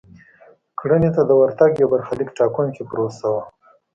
کرنې ته د ورتګ یوه برخلیک ټاکونکې پروسه وه.